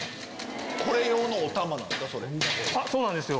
これ用のおたまなんですか？